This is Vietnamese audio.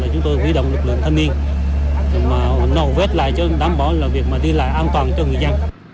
chúng tôi huy động lực lượng thanh niên nổ vét lại cho đảm bảo việc đi lại an toàn cho người dân